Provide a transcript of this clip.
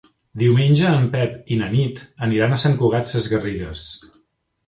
Diumenge en Pep i na Nit aniran a Sant Cugat Sesgarrigues.